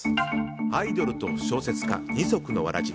アイドルと小説家二足のわらじ。